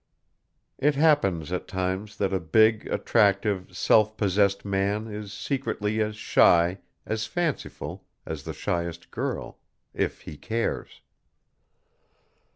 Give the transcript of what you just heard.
It happens at times that a big, attractive, self possessed man is secretly as shy, as fanciful, as the shyest girl if he cares.